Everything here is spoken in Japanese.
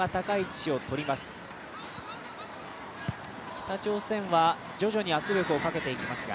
北朝鮮は徐々に圧力をかけていきますが。